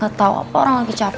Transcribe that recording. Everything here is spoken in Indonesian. gak tahu apa orang lagi capek